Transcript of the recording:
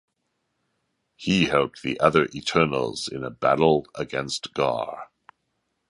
He helped the other Eternals in battle against Ghaur.